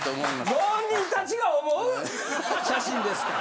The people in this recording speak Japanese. ご本人たちが思う写真ですから。